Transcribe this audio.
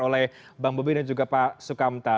oleh bang bobi dan juga pak sukamta